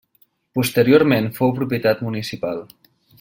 Posteriorment fou propietat municipal.